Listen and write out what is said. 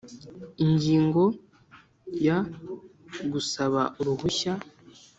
Ingingo ya Gusaba uruhushya